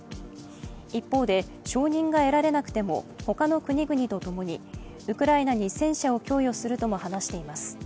一方で承認が得られなくても他の国々と共にウクライナに戦車を供与するとも話しています。